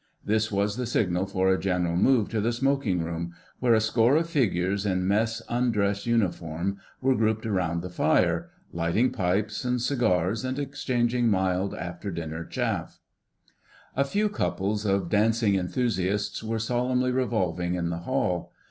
This was the signal for a general move to the smoking room, where a score of figures in mess undress uniform were grouped round the fire, lighting pipes and cigars and exchanging mild, after dinner chaff. A few couples of dancing enthusiasts were solemnly revolving in the hall.